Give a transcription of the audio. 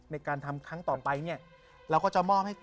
ในการทำครั้งต่อไปเนี่ยเราก็จะมอบให้